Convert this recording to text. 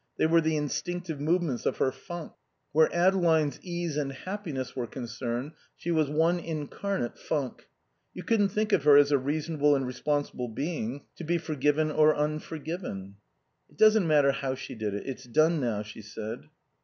They were the instinctive movements of her funk. Where Adeline's ease and happiness were concerned she was one incarnate funk. You couldn't think of her as a reasonable and responsible being, to be forgiven or unforgiven. "It doesn't matter how she did it. It's done now," she said.